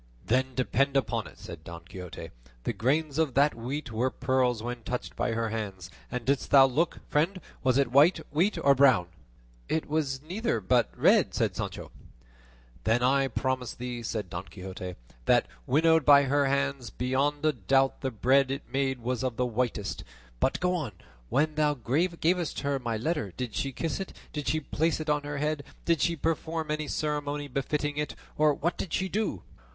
"Then depend upon it," said Don Quixote, "the grains of that wheat were pearls when touched by her hands; and didst thou look, friend? was it white wheat or brown?" "It was neither, but red," said Sancho. "Then I promise thee," said Don Quixote, "that, winnowed by her hands, beyond a doubt the bread it made was of the whitest; but go on; when thou gavest her my letter, did she kiss it? Did she place it on her head? Did she perform any ceremony befitting it, or what did she do?"